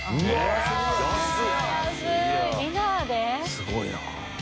すごいな。